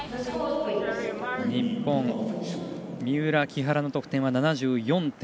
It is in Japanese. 日本の三浦、木原の得点は７４．４５。